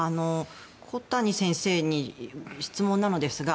小谷先生に質問なんですが。